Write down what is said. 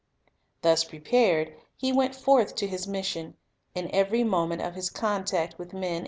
Thus prepared, He went forth to I lis mission, in every moment of His contact with men.